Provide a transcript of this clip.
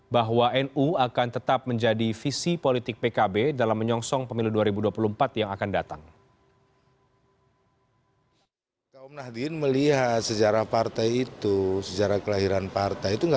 bahwa nu akan tetap menjadi visi politik pkb dalam menyongsong pemilu dua ribu dua puluh empat yang akan datang